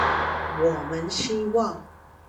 我們希望